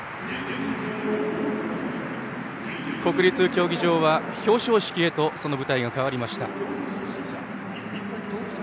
国立競技場は表彰式へとその舞台が変わりました。